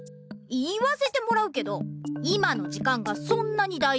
言わせてもらうけど今の時間がそんなにだいじ？